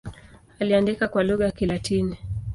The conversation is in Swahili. Aliandika kwa lugha ya Kilatini.